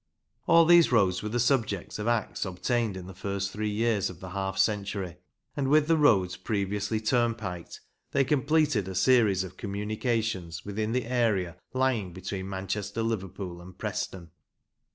All these roads were the subject of Acts obtained in the first three years of the half century, and, with the roads previously turnpiked, they completed a series of communications within the area lying between Manchester, Liverpool, and Preston.